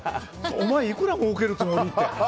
お前いくらもうけるつもり？って。